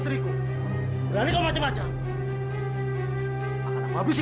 tapi akhirnya kamu belum kembali